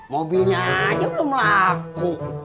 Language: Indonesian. mobilnya aja belum laku